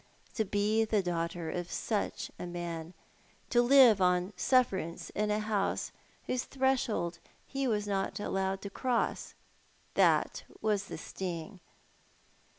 To be the daughter of such a man, to live on sufi"erance in a house whose threshold he was not allowed to cross ! That was the sting